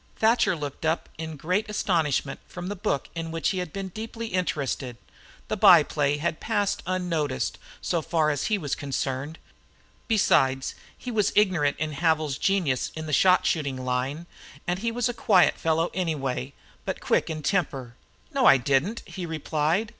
Thatcher looked up in great astonishment from the book in which he had been deeply interested. The by play had passed unnoticed so far as he was concerned. Besides, he was ignorant of Havil's genius in the shot shooting line, and he was a quiet fellow, anyway, but quick in temper. "No, I didn't," he replied.